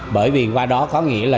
bởi vì qua đó có nghĩa là